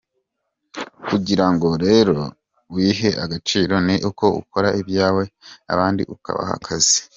Kugira ngo rero wihe agaciro ni uko ukora ibyawe abandi ukabaha akazi.